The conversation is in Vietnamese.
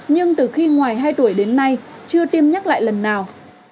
nhưng từ khi ngoài hai tuổi đến nay chưa tiêm nhắc lại lần nào